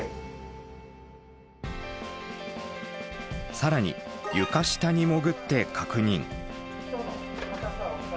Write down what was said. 更に床下に潜って確認。